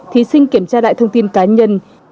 thí sinh kiểm tra lại thông tin cá nhân